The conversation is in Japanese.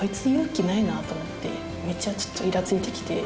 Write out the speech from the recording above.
めっちゃちょっとイラついてきて。